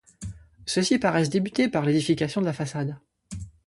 Ceux-ci paraissent débuter par l’édification de la façade.